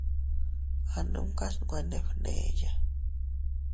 A numkas nwe ne fgneya.